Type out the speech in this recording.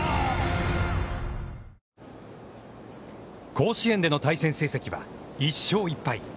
甲子園での対戦成績は、１勝１敗。